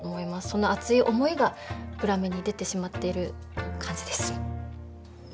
その熱い思いが裏目に出てしまっている感じです。